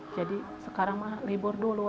jadi sekarang mah libur dulu